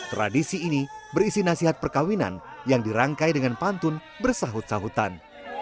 tradisi ini berisi nasihat perkawinan yang dirangkai dengan pantun bersahut sahutan